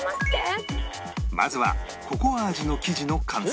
まずはココア味の生地の完成